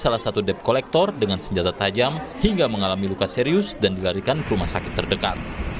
salah satu dep kolektor dengan senjata tajam hingga mengalami luka serius dan dilarikan ke rumah sakit terdekat